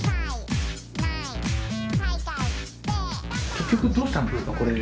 結局どうしたんですかこれで。